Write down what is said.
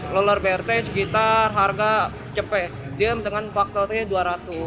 lolar brt sekitar harga cp dia dengan faktornya dua ratus